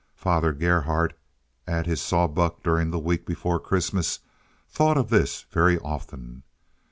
Father Gerhardt at his saw buck during the weeks before Christmas thought of this very often.